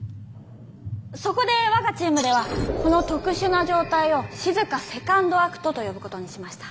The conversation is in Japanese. そこで我がチームではこの特殊な状態を「しずかセカンドアクト」と呼ぶことにしました。